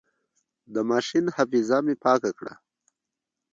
د ماشين حافظه مې پاکه کړه.